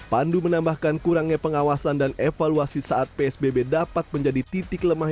pandu menambahkan kurangnya pengawasan dan evaluasi saat psbb dapat menjadi titik lemah